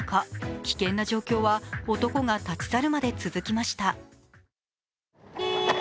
危険な状況は、男が立ち去るまで続きました。